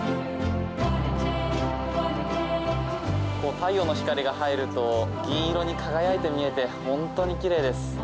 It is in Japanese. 太陽の光が入ると銀色に輝いて見えて本当に奇麗です。